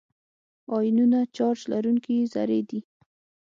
آیونونه چارج لرونکي ذرې دي.